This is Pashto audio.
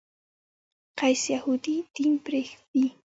قیس یهودي دین پرېږدي.